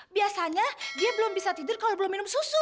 biasanya dia belum bisa tidur kalau belum minum susu